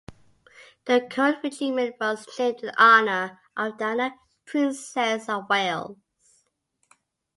The current regiment was named in honour of Diana, Princess of Wales.